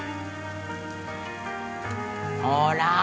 ほら